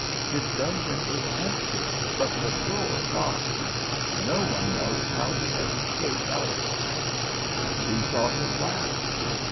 His dungeon is empty, but the door locked. No one knows how he has escaped out of it." " Who saw him last